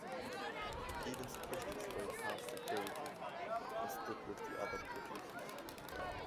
Evans pushed his way past security, and stood with the other producers.